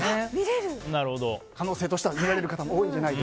可能性としては見られる方も多いんじゃないかと。